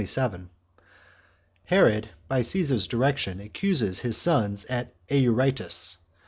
CHAPTER 27. Herod By Caesars Direction Accuses His Sons At Eurytus.